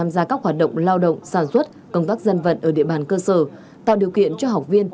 tham gia các hoạt động lao động sản xuất công tác dân vận ở địa bàn cơ sở tạo điều kiện cho học viên